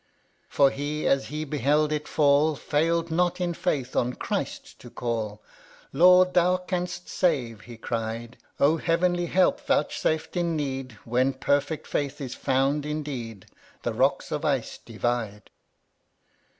21. For he, as he beheld it fall, â Fail'd not in faith on Christ to call â "Lord, Thou canst save I " he cried ; Oh, heavenly help vouchsafed in need, When perfect faith is found indeed ! The rocks of ice divide.